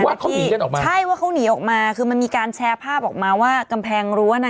ว่าเขาหนีกันออกมาใช่ว่าเขาหนีออกมาคือมันมีการแชร์ภาพออกมาว่ากำแพงรั้วน่ะ